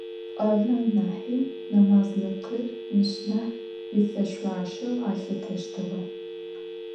Пӏуаблэм нахьи нэмазлыкъыр мыщ нахь ифэшъуашэу алъытэщтыгъэ.